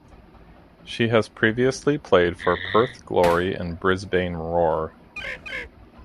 She has previously played for Perth Glory and Brisbane Roar.